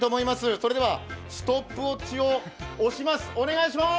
それではストップウォッチを押します。